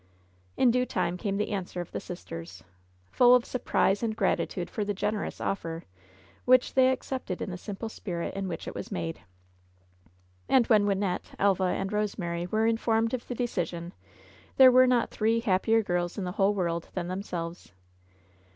In due time came the answer of the sisters, full of surprise and gratitude for the generous offer, which they accepted in the simple spirit in which it was made. And when Wynnette, Elva and Eosemary were in formed of the decision there were not three happier girls in the whole world than themselves.